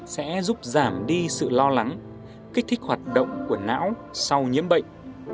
sẽ giúp giảm đi sự lo lắng kích thích hoạt động của não sau nhiễm bệnh